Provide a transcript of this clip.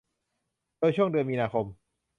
โดยช่วงเดือนมีนาคม